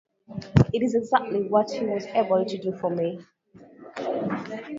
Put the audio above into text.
It is exactly what he was able to do for me.